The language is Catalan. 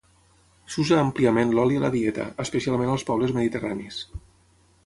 S'usa àmpliament l'oli a la dieta, especialment als pobles mediterranis.